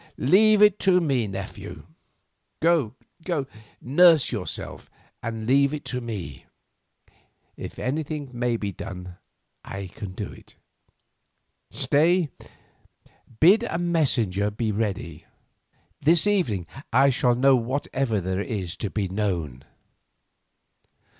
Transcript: Leave it to me, nephew. Go, nurse yourself, and leave it to me; if anything may be done I can do it. Stay, bid a messenger be ready. This evening I shall know whatever there is to be known."